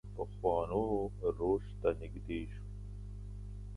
پخوانو روش ته نږدې شو.